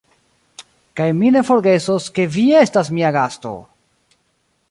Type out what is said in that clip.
Kaj mi ne forgesos, ke vi estas mia gasto!